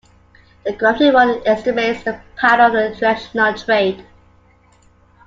The gravity model estimates the pattern of international trade.